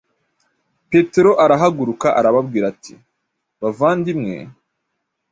Petero arahaguruka arababwira ati “Bavandimwe,